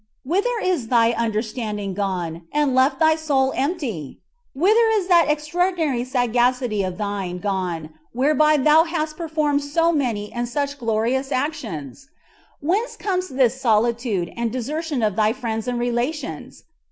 Whither is thy understanding gone, and left thy soul empty? Whither is that extraordinary sagacity of thine gone whereby thou hast performed so many and such glorious actions? Whence comes this solitude, and desertion of thy friends and relations?